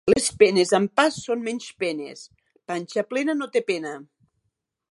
Les penes amb pa són menys penes. Panxa plena no té pena